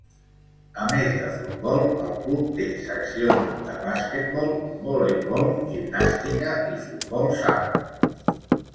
A més de futbol, el club té seccions de basquetbol, voleibol, gimnàstica, i futbol sala.